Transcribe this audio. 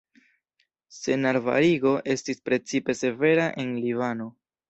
Senarbarigo estis precipe severa en Libano.